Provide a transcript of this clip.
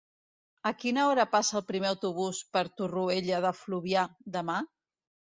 A quina hora passa el primer autobús per Torroella de Fluvià demà?